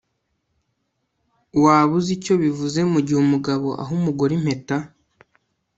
Waba uzi icyo bivuze mugihe umugabo aha umugore impeta